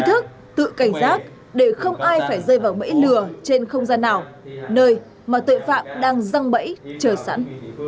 về phía mỗi người dân cần tự ý thức tự cảnh giác để không ai phải rơi vào bẫy lửa trên không gian nào nơi mà tội phạm đang răng bẫy chờ sẵn